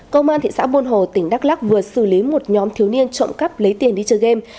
công an thị xã buôn hồ tỉnh đắk lắc vừa xử lý một nhóm thiếu niên trộm cắp lấy tiền đi chơi game